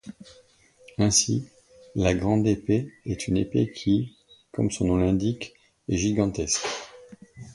Ainsi, la grande épée est une épée qui, comme son nom l'indique, est gigantesque.